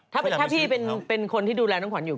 ถ้าพี่เป็นคนที่ดูแลน้องขวัญอยู่